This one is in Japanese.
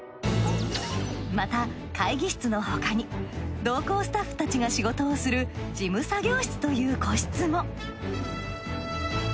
また会議室の他に同行スタッフたちが仕事をする事務作業室という個室も。